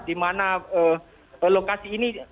dimana lokasi ini